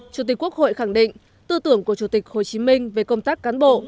chủ tịch quốc hội khẳng định tư tưởng của chủ tịch hồ chí minh về công tác cán bộ